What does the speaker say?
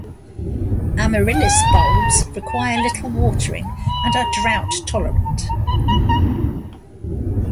Amaryllis bulbs require little watering and are drought tolerant.